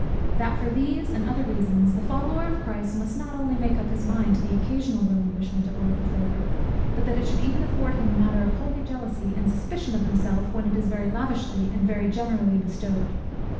That for these and other reasons, the follower of Christ must not only make up his mind to the occasional relinquishment of worldly favour, but that it should even afford him matter of holy jealousy and suspicion of himself, when it is very lavishly and very generally bestowed.